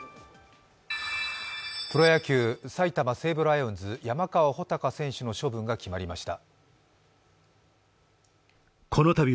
プロ野球、埼玉西武ライオンズ山川穂高選手の処分が決まりました。